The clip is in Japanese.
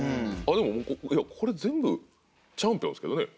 でもこれ全部チャンピオンですけどね。